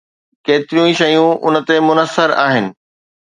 ڪيتريون ئي شيون ان تي منحصر آهن.